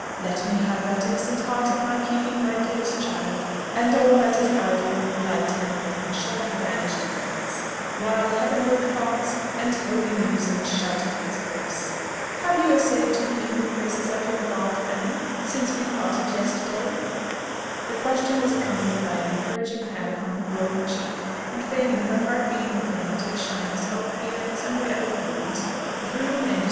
Let me have that innocent heart in my keeping, my dearest child, and all that is idle, light, and vain shall be banished thence, while heavenward thoughts and holy musings shall take its place. Have you essayed to hymn the praises of your God, Fanny, since we parted yesterday?" This question was accompanied by an encouraging pat upon her glowing cheek; and Fanny, her heart beating with vanity, shyness, hope, fear, and sundry other feelings, drew the MS.